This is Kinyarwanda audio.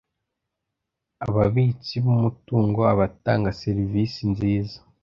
ababitsi b umutungo abatanga serivisi nziza